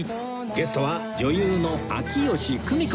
ゲストは女優の秋吉久美子さん